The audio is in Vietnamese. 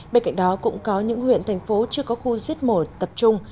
bên cạnh đó cũng có những huyện thành phố chưa có khu giết mổ tập trung